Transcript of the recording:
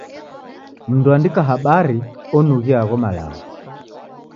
Mndu oandika habari onughia agho malagho.